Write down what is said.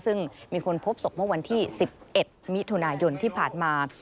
ซึ่งมีคนพบศพเมื่อวันที่๑๑มิถุนายนที่ผ่านมา